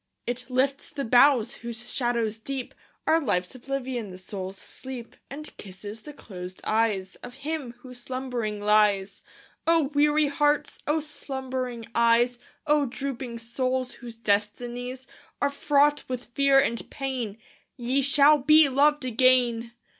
It lifts the boughs, whose shadows deep Are Life's oblivion, the soul's sleep, And kisses the closed eyes Of him, who slumbering lies. O weary hearts! O slumbering eyes! O drooping souls, whose destinies Are fraught with fear and pain, Ye shall be loved again!